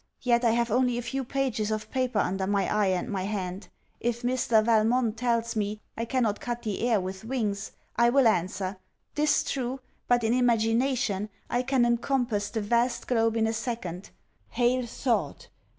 Yet I have only a few pages of paper under my eye and my hand. If Mr. Valmont tells me, I cannot cut the air with wings, I will answer 'Tis true: but in imagination, I can encompass the vast globe in a second. Hail thought!